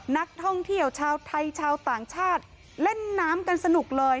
นักท่องเที่ยวชาวไทยชาวต่างชาติเล่นน้ำกันสนุกเลย